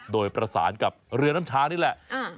โดยประสานกับเรือน้ำชานี่แหละ